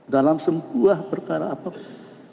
dalam semua perkara apapun